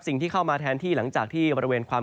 ก็จะมีการแผ่ลงมาแตะบ้างนะครับ